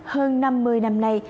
hơn năm mươi năm nay